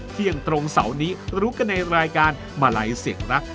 เพียงตรงเสานี้รุกกันในรายการมาไล่เสียงรัก